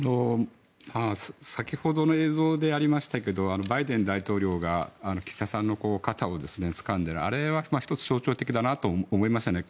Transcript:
先ほどの映像にありましたがバイデン大統領が岸田さんの肩をつかんでいるあれは１つ、象徴的だなと思いますよね。